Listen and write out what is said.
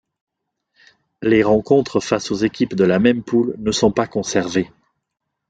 Les rencontres face aux équipes de la même poule ne sont pas conservés.